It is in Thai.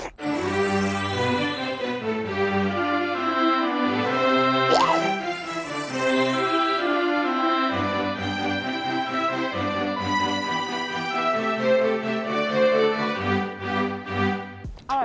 เนี่ยกับกลีบบัว